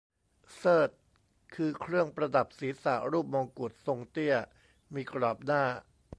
เทริด คือเครื่องประดับศรีษะรูปมงกุฎ ทรงเตี้ย มีกรอบหน้า